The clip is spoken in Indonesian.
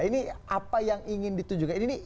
ini apa yang ingin ditunjukkan